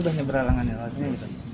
dia udah berhalangan alasannya